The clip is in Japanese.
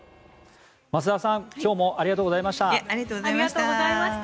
増田さん、今日もありがとうございました。